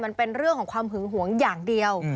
มันเป็นเรื่องของความหึงหวงอย่างเดียว